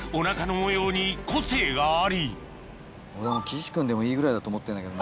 俺はもう「岸くん」でもいいぐらいだと思ってんだけどな。